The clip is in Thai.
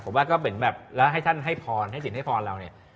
ผมว่าก็เหมือนแบบแล้วให้ท่านให้พรให้สินให้พรเราเนี่ย